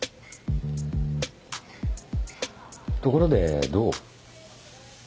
ところでどう？